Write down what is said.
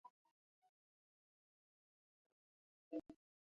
ډيپلوماسي د نړیوالو قوانینو ته درناوی تشویقوي.